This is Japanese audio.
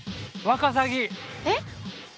えっ？